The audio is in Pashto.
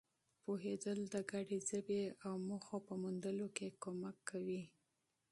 پوهېدل د ګډې ژبې او هدفونو په موندلو کې مرسته کوي.